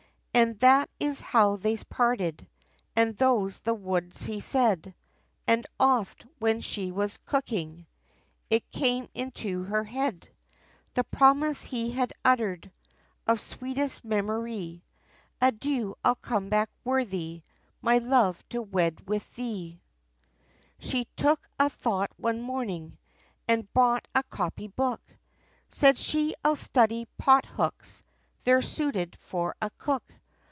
And that is how they parted, And those, the words he said: And oft, when she was cooking, It came into her head, The promise he had uttered, Of sweetest memory "Adieu; I'll come back worthy, My love, to wed with thee." [Illustration: as This Peeves me now at Present] She took a thought one morning, And bought a copy book; Said she, I'll study pothooks, They're suited for a cook.